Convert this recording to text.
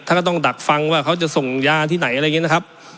ก็ต้องดักฟังว่าเขาจะส่งยาที่ไหนอะไรอย่างนี้นะครับ